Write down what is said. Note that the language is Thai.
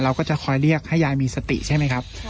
เราก็จะคอยเรียกให้ยายมีสติใช่ไหมครับ